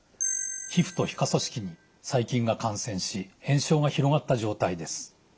皮膚と皮下組織に細菌が感染し炎症が広がった状態です。